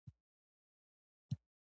ډاکتر بلال و.